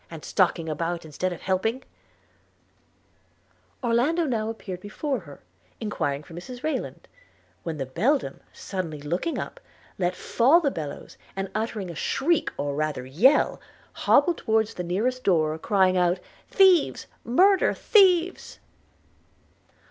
and stalking about instead of helping ...' Orlando now appeared before her, enquiring for Mrs Rayland; when the beldam, suddenly looking up, let fall the bellows, and uttering a shriek or rather yell, hobbled towards the nearest door, crying out 'Thieves! murder! thieves!'